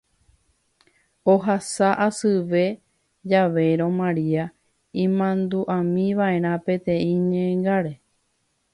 Ohasa asyve javérõ Maria imandu'ámiva'erã peteĩ ñe'ẽngáre